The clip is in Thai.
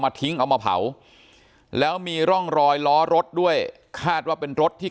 ทิ้งเอามาเผาแล้วมีร่องรอยล้อรถด้วยคาดว่าเป็นรถที่